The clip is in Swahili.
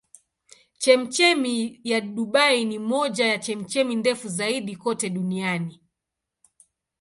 Chemchemi ya Dubai ni moja ya chemchemi ndefu zaidi kote duniani.